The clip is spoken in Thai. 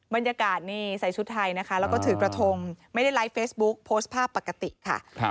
บรรยากาศนี่ใส่ชุดไทยนะคะแล้วก็ถือกระทงไม่ได้ไลฟ์เฟซบุ๊กโพสต์ภาพปกติค่ะ